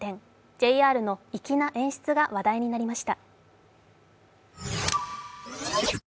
ＪＲの粋な演出が話題になりました。